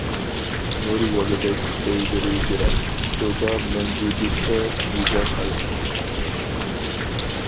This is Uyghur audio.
نۇر يولىدەك ئۆيلىرى يىراق، سۇدا مەڭگۈلۈكتە ئۈزەر ئاي.